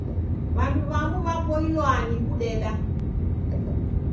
W'andu w'amu w'aboilwaa ni kudeda.